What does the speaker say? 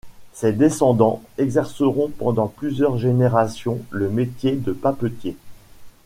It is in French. Ses descendants exerceront pendant plusieurs générations le métier de papetier.